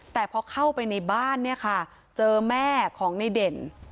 แต่พอเข้าไปในบ้านเนี่ยค่ะเจอแม่ของในเด่น